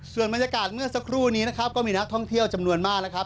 ส่วนบรรยากาศเมื่อสักครู่นี้นะครับก็มีนักท่องเที่ยวจำนวนมากนะครับ